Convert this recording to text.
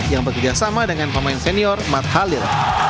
yang bekerjasama dengan pemain senior matt halil